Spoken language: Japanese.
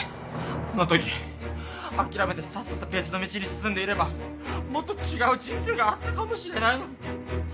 あの時諦めてさっさと別の道に進んでいればもっと違う人生があったかもしれないのに。